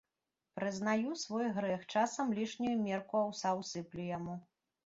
Прызнаю свой грэх, часам лішнюю мерку аўса ўсыплю яму.